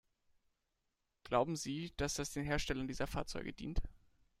Glauben Sie, dass das den Herstellern dieser Fahrzeuge dient?